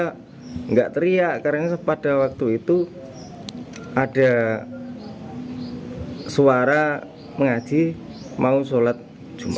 tidak teriak karena pada waktu itu ada suara mengaji mau sholat jumat